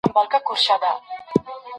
ګاونډي دي بچي پلوري له غربته